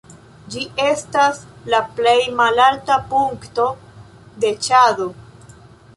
Ĝi estas la plej malalta punkto de Ĉado.